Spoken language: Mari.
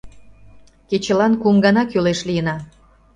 Кечылан кум гана кӱлеш лийына.